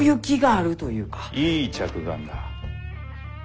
いい着眼だ。